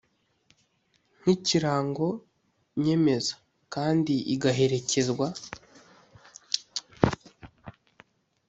Nk ikirango nyemeza kandi igaherekezwa